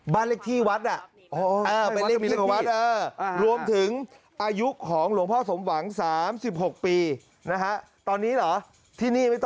บ้านเลขที่วัด